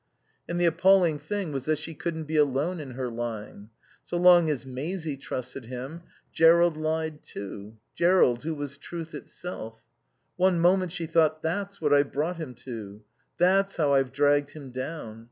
And the appalling thing was that she couldn't be alone in her lying. So long as Maisie trusted him Jerrold lied, too Jerrold, who was truth itself. One moment she thought: That's what I've brought him to. That's how I've dragged him down.